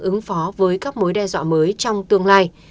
ứng phó với các mối đe dọa mới trong tương lai